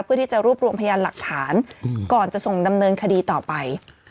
เพื่อที่จะรวบรวมพยานหลักฐานก่อนจะส่งดำเนินคดีต่อไป